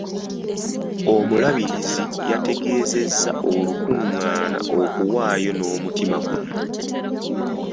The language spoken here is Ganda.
Omulabirizi yategezezza olukungaana okuwaayo n'omutima gumu.